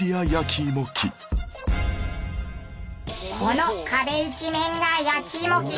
この壁一面が焼き芋機。